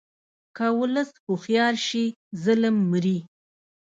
که ولس هوښیار شي، ظلم مري.